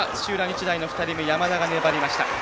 日大の２人目山田が粘りました。